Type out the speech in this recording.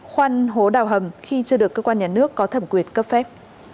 khoan hố đào hầm khi chưa được cơ quan nhà nước có thẩm quyền cấp phép